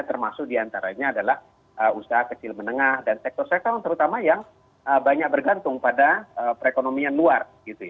termasuk diantaranya adalah usaha kecil menengah dan sektor sektor terutama yang banyak bergantung pada perekonomian luar